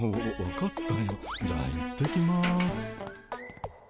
じゃあ行ってきます。